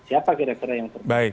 siapa kira kira yang terbaik